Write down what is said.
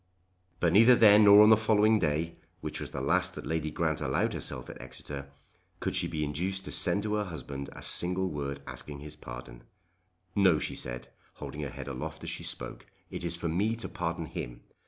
But neither then nor on the following day, which was the last that Lady Grant allowed herself at Exeter, could she be induced to send to her husband a single word asking his pardon. "No," she said, holding her head aloft as she spoke; "it is for me to pardon him.